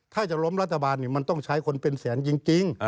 ถ้าจะล้มรัฐบาลมันต้องใช้คนเป็นแสนจริง